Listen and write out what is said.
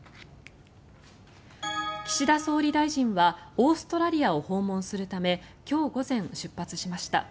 岸田総理大臣はオーストラリアを訪問するため今日午前、出発しました。